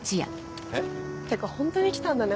えっ？ってかホントに来たんだね